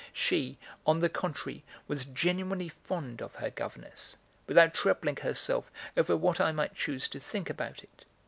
She, on the contrary, was genuinely fond of her governess, without troubling herself over what I might choose to think about it.